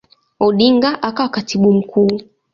Odinga akawa Katibu Mkuu.